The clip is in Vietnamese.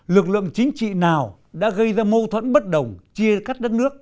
lực lượng chính trị nào đã gây ra mâu thuẫn bất đồng chia cắt đất nước